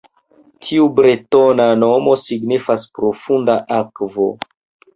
Tiu bretona nomo signifas "profunda akvo".